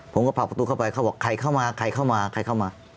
ผมก็ผลักประตูเข้าไปเขาบอกใครเข้ามาใครเข้ามาใครเข้ามา